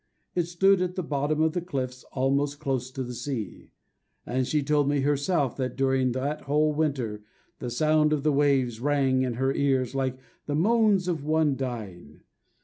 It stood at the bottom of the cliffs, almost close to the sea; and she told me herself that during that whole winter the sound of the waves rang in her ears like the moans of one dying.